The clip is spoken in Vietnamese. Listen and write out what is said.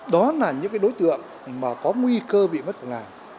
đó là những đối tượng có nguy cơ bị mất vào ngàn